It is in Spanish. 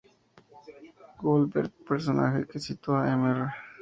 Goldberg, personaje que sustituía a Mr.